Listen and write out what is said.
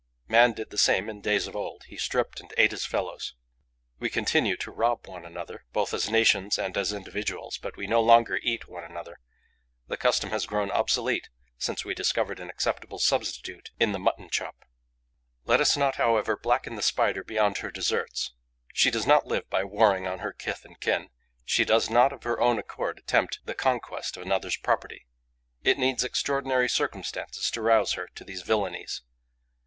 Man did the same in days of old: he stripped and ate his fellows. We continue to rob one another, both as nations and as individuals; but we no longer eat one another: the custom has grown obsolete since we discovered an acceptable substitute in the mutton chop. Let us not, however, blacken the Spider beyond her deserts. She does not live by warring on her kith and kin; she does not of her own accord attempt the conquest of another's property. It needs extraordinary circumstances to rouse her to these villainies.